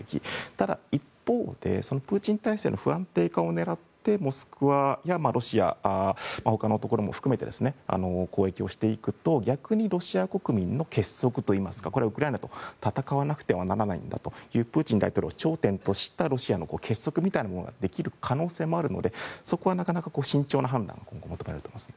ただ、一方でプーチン体制の不安定化を狙ってモスクワやロシア他のところも含めて攻撃をしていくと逆にロシア国民の結束というかこれはウクライナと戦わなくてはならないというプーチン大統領を頂点としたロシアの結束みたいなものができる可能性もあるのでそこは慎重な判断が求められると思います。